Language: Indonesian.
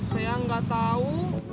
saya gak tahu